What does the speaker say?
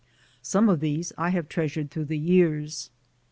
Some of these things I have treasured through the years.